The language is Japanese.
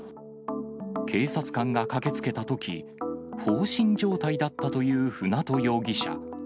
警察官が駆けつけたとき、放心状態だったという舟渡容疑者。